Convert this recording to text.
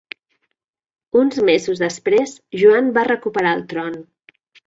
Uns mesos després Joan va recuperar el tron.